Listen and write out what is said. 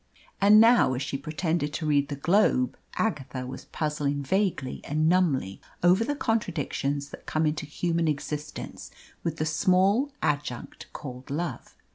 And now, as she pretended to read the Globe Agatha was puzzling vaguely and numbly over the contradictions that come into human existence with the small adjunct called love.